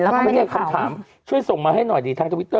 แล้วก็ไม่ใช่คำถามช่วยส่งมาให้หน่อยดีทางทวิตเต